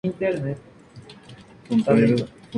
Esto fue la cantidad más alta que una entidad particular dio.